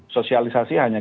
sosialisasi hanya gitu